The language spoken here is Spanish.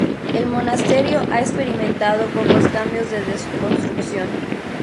El monasterio ha experimentado pocos cambios desde su construcción.